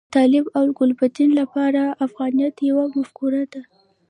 د طالب او ګلبدین لپاره افغانیت یوه مفکوره ده.